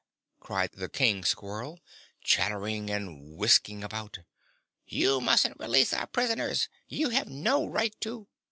cried the King Squirrel, chattering and whisking about. "You mustn't release our prisoners. You have no right to."